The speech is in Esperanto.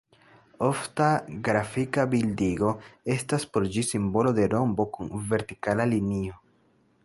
Ofta grafika bildigo estas por ĝi simbolo de rombo kun vertikala linio.